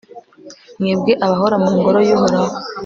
mwebwe abahora mu ngoro y'uhoraho